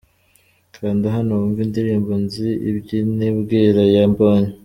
Kanda hano wumve indirimbo'Nzi iby nibwira' ya Mbonyi .